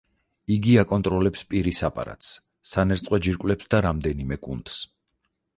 იგი აკონტროლებს პირის აპარატს, სანერწყვე ჯირკვლებს და რამდენიმე კუნთს.